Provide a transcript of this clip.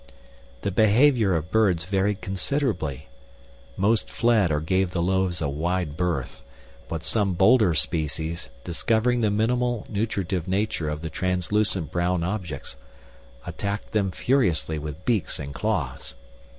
The behavior of birds varied considerably. Most fled or gave the loaves a wide berth, but some bolder species, discovering the minimal nutritive nature of the translucent brown objects, attacked them furiously with beaks and claws.